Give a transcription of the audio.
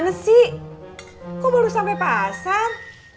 nanti kok belum sampai pasar